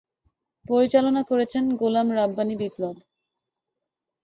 পরিচালনা করেছেন গোলাম রাব্বানী বিপ্লব।